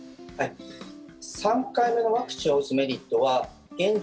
３回目のワクチンを打つメリットは現状